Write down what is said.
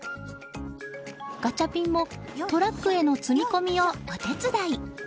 ガチャピンもトラックへの積み込みをお手伝い。